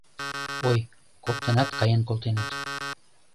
— Ой, коктынат каен колтеныт...